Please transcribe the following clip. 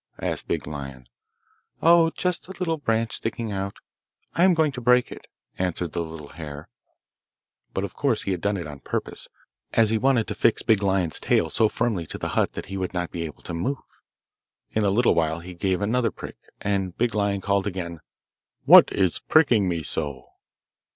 asked Big Lion. 'Oh, just a little branch sticking out. I am going to break it,' answered the little hare; but of course he had done it on purpose, as he wanted to fix Big Lion's tail so firmly to the hut that he would not be able to move. In a little while he gave another prick, and Big Lion called again, 'What is pricking me so?